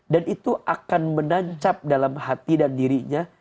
dan itu akan menancap dalam hati dan dirinya